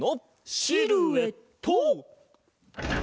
シルエット！